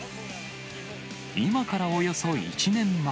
今からおよそ１年前。